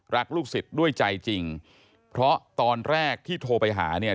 ลูกศิษย์ด้วยใจจริงเพราะตอนแรกที่โทรไปหาเนี่ย